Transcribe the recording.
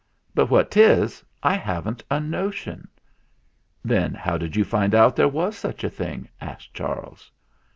But what 'tis I haven't a notion." "Then how did you find out there was such a thing?" asked Charles.